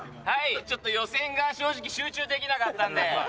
ちょっと予選が正直集中できなかったんで。